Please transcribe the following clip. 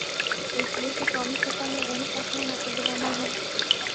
ایک یہ کہ قومی سطح میں وہی فیصلے نافذالعمل ہوں۔